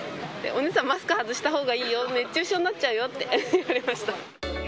お姉さん、マスク外したほうがいいよ、熱中症になっちゃうよって言われました。